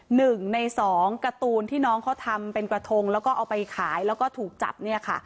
หนึ่งในสองการ์ตูนที่น้องเขาทำเป็นกระทงแล้วก็เอาไปขายแล้วก็ถูกจับเนี่ยค่ะ